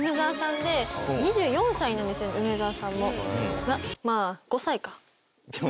梅澤さんも。